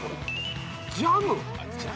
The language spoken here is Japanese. ジャム！？